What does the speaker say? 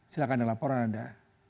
silakan dilaporan anda